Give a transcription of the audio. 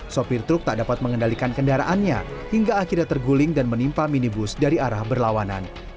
sopir truk tak dapat mengendalikan kendaraannya hingga akhirnya terguling dan menimpa minibus dari arah berlawanan